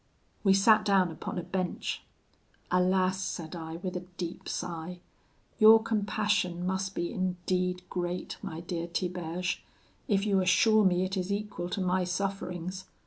"We sat down upon a bench. 'Alas!' said I with a deep sigh, 'your compassion must be indeed great, my dear Tiberge, if you assure me it is equal to my sufferings.